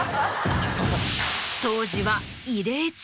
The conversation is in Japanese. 当時は。